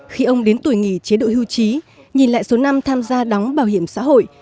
khi ông đến tuổi nghỉ chế độ hưu trí nhìn lại số năm tham gia đóng bảo hiểm xã hội